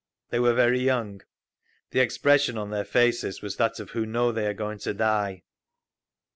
They were very young. The expression on their faces was that of who know they are going to die….